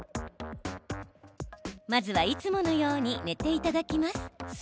まずは、いつものように寝ていただきます。